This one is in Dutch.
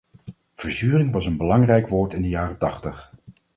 Verzuring was een belangrijk woord in de jaren tachtig.